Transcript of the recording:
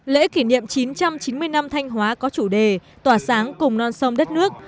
lễ kỷ niệm chín trăm chín mươi năm thanh hóa có chủ đề tỏa sáng cùng non sông đất nước